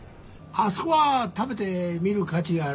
あそこは食べてみる価値ある。